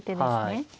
はい。